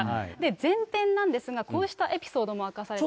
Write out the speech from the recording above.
全編なんですが、こうしたエピソードも明かされています。